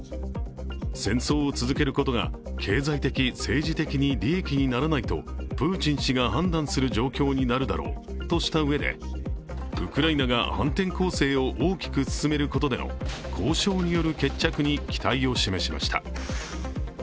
戦争を続けることが経済的、政治的に利益にならないとプーチン氏が判断する状況になるだろうとしたうえで、ウクライナが反転攻勢を大きく進めることでの交渉による決着に期待を示しました。